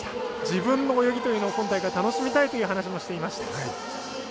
自分の泳ぎというのを今大会楽しみたいという話もしていました。